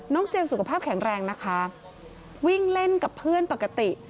เจมส์สุขภาพแข็งแรงนะคะวิ่งเล่นกับเพื่อนปกติ